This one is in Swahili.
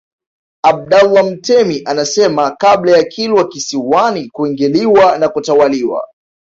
Abdallah Mtemi anasema kabla ya Kilwa Kisiwani kuingiliwa na kutawaliwa